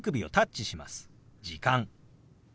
「時間」。